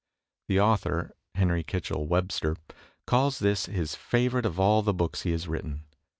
The author, Henry Kitchell Webster, calls this his favorite of all the books he has written.